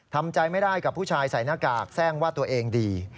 ทำใจไม่ได้กับผู้ชายใส่หน้ากากแทร่งว่าตัวเองดี